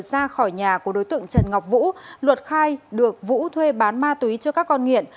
ra khỏi nhà của đối tượng trần ngọc vũ luật khai được vũ thuê bán ma túy cho các con nghiện